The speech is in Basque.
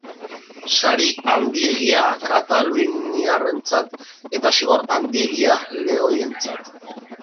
Sari handiegia kataluniarrentzat, eta zigor handiegia lehoientzat.